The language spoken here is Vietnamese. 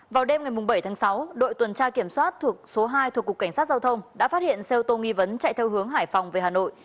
vào đêm ngày bảy tháng sáu đội tuần tra kiểm soát thuộc số hai thuộc cục cảnh sát giao thông đã phát hiện xe ô tô nghi vấn chạy theo hướng hải phòng về hà nội